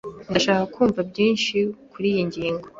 Ndashaka kumva byinshi kuriyi ngingo.